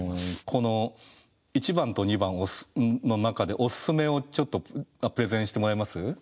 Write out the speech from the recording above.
この１番と２番の中でおすすめをちょっとプレゼンしてもらえます？